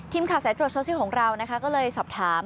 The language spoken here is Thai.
ทีมข่าวสายตรวจโซเชียลของเราก็เลยสอบถาม